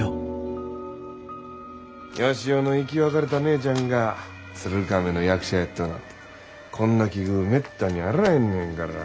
ヨシヲの生き別れた姉ちゃんが鶴亀の役者やっとうなんてこんな奇遇めったにあれへんねんから。